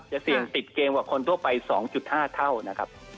เสี่ยงติดเกมกว่าคนทั่วไป๒๕เท่านะครับ